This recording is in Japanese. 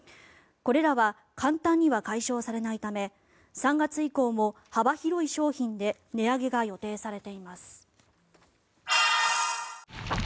これらは簡単には解消されないため３月以降も幅広い商品で値上げが予定されています。